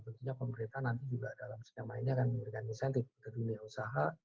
tentunya pemerintah nanti juga dalam skema ini akan memberikan insentif ke dunia usaha